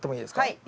はい。